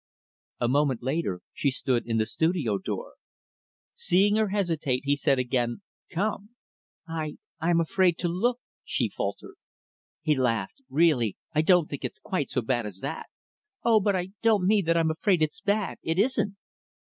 A moment later, she stood in the studio door. Seeing her hesitate, he said again, "Come." "I I am afraid to look," she faltered. He laughed. "Really I don't think it's quite so bad as that." "Oh, but I don't mean that I'm afraid it's bad it isn't."